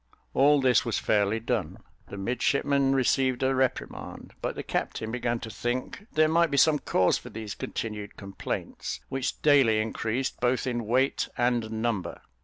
All this was fairly done the midshipmen received a reprimand, but the captain began to think there might be some cause for these continued complaints, which daily increased both in weight and number.